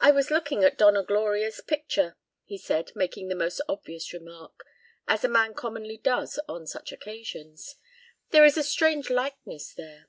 "I was looking at Donna Gloria's picture," he said, making the most obvious remark, as a man commonly does on such occasions; "there is a strange likeness there."